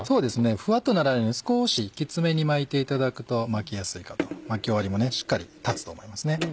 フワっとならないように少しきつめに巻いていただくと巻きやすいかと巻き終わりもしっかり立つと思います。